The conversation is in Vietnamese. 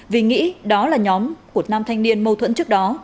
vì nghĩ đó là nhóm của nam thanh niên mâu thuẫn trước đó